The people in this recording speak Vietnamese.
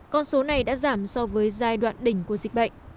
con số này đã giảm so với giai đoạn đỉnh của dịch bệnh